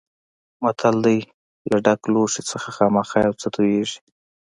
متل دی: له ډک لوښي نه خامخا یو څه تویېږي.